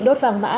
đốt vàng mã